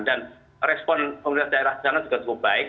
dan respon komunitas daerah sana juga cukup baik